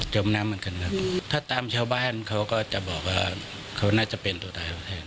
มน้ำเหมือนกันครับถ้าตามชาวบ้านเขาก็จะบอกว่าเขาน่าจะเป็นตัวตายเราแทน